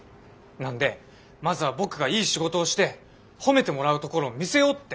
なんでまずは僕がいい仕事をして褒めてもらうところを見せようって。